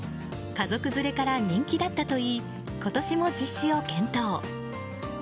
家族連れから人気だったといい今年も実施を検討。